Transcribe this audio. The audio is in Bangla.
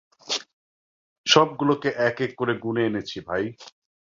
সবগুলোকে এক এক করে গুণে এনেছি, ভাই।